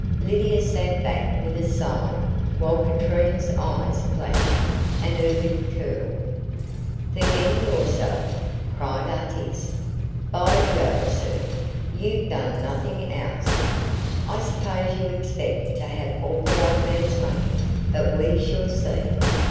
Lydia sank back with a sigh, while Katrine's eyes flashed, and her lip curled. "Forgetting yourself!" cried Artis. "By Jove, sir, you've done nothing else! I suppose you expect to have all the old man's money, but we shall see."